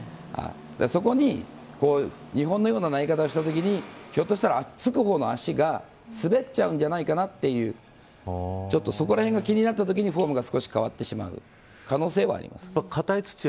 そこに日本のような投げ方をしたときにひょっとしたら、つく方の足が滑っちゃうんじゃないかなというそこらへんが気になったときにフォームが少し変わってしまう可能性はあります。